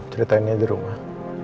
ceritainnya di rumah